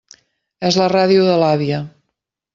És la ràdio de l'àvia.